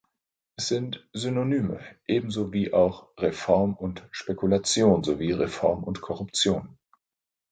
Es sind Synonyme, ebenso wie auch Reform und Spekulation sowie Reform und Korruption.